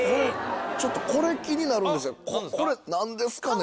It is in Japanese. ちょっとこれ気になるんですけどこれ何ですかね？